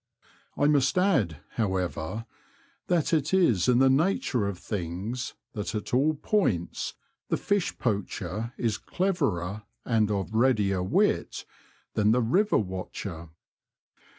I must add, however, that it is in the nature of things that at all points the fish poacher is cleverer and of readier wit than the river watcher.